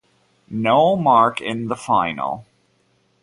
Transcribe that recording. No mark in the final